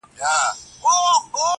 پر ما خو دا ګوزار د ګل غوندې و